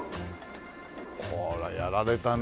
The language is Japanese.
これやられたね。